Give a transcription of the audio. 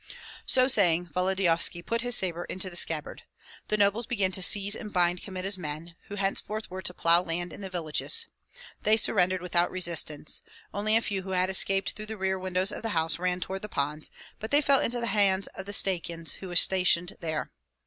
So saying, Volodyovski put his sabre into the scabbard. The nobles began to seize and bind Kmita's men, who henceforth were to plough land in the villages. They surrendered without resistance; only a few who had escaped through the rear windows of the house ran toward the ponds, but they fell into the hands of the Stakyans who were stationed there.